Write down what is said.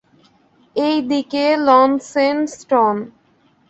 এই দিকে লন্সেস্টন?